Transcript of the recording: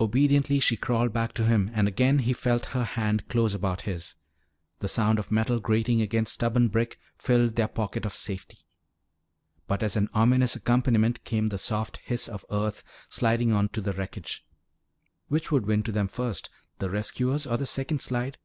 Obediently she crawled back to him and again he felt her hand close about his. The sound of metal grating against stubborn brick filled their pocket of safety. But as an ominous accompaniment came the soft hiss of earth sliding onto the wreckage. Which would win to them first, the rescuers or the second slide?